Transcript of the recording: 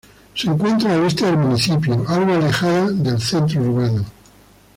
Se encuentra al este del municipio, algo alejada del centro urbano.